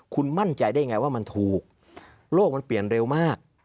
คุณมั่นใจได้ไงว่ามันถูกโลกมันเปลี่ยนเร็วมาก